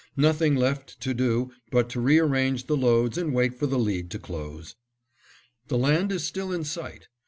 Nothing left to do but to rearrange the loads and wait for the lead to close. The land is still in sight.